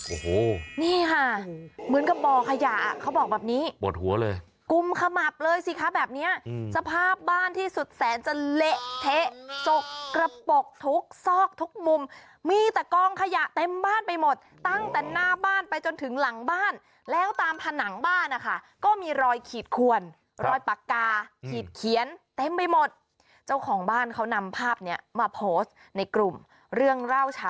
โอ้โหนี่ค่ะเหมือนกับบ่อขยะเขาบอกแบบนี้ปวดหัวเลยกลุ่มขมับเลยสิคะแบบเนี้ยสภาพบ้านที่สุดแสนจะเละเทะจกกระปกทุกซอกทุกมุมมีแต่กองขยะเต็มบ้านไปหมดตั้งแต่หน้าบ้านไปจนถึงหลังบ้านแล้วตามผนังบ้านนะคะก็มีรอยขีดขวนรอยปากกาขีดเขียนเต็มไปหมดเจ้าของบ้านเขานำภาพเนี้ยมาโพสต์ในกลุ่มเรื่องเล่าช